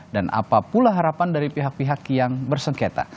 dan apapun harapan dari pihak pihak yang bersengketa